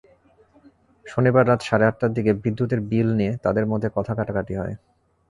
শনিবার রাত সাড়ে আটটার দিকে বিদ্যুতের বিল নিয়ে তাঁদের মধ্যে কথা-কাটাকাটি হয়।